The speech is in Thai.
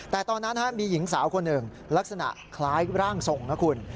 แต่ตอนนั้นมีหญิงสาวคนหนึ่งลักษณะคล้ายร่างทรงนะคุณ